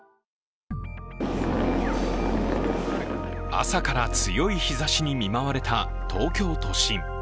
朝から強い日ざしに見舞われた東京都心。